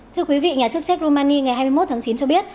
thưa quý vị nhà chức trách romani ngày hai mươi một tháng chín cho biết